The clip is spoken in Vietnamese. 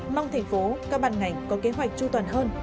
mong thành phố các bàn ngành có kế hoạch chu toàn hơn